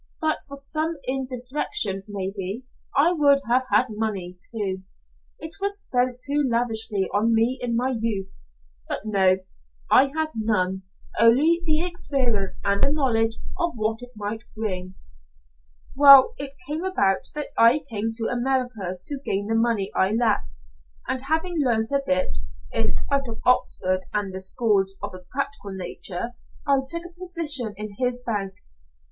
But for some indiscretion maybe I would have had money, too. It was spent too lavishly on me in my youth. But no. I had none only the experience and the knowledge of what it might bring. "Well, it came about that I came to America to gain the money I lacked, and having learned a bit, in spite of Oxford and the schools, of a practical nature, I took a position in his bank.